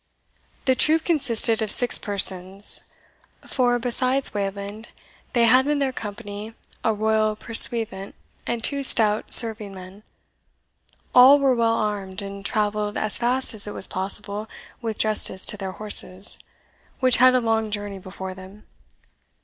The troop consisted of six persons; for, besides Wayland, they had in company a royal pursuivant and two stout serving men. All were well armed, and travelled as fast as it was possible with justice to their horses, which had a long journey before them.